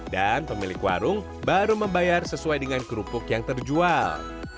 dan pemilik warung baru membayar sesuai dengan kerupuk yang terjual